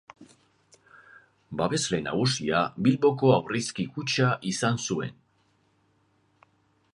Babesle nagusia Bilboko Aurrezki Kutxa izan zuen.